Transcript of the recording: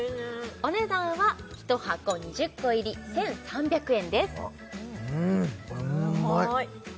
お値段は１箱２０個入り１３００円ですうんうんまい！